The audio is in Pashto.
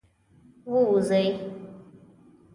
ووځی.